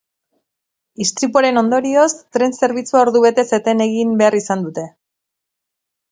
Istripuaren ondorioz tren zerbitzua ordubetez eten egin behar izan dute.